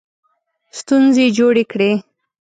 ستونزې جوړې کړې.